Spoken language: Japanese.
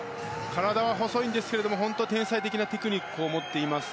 体は細いんですけど本当に天才的なテクニックを持っています。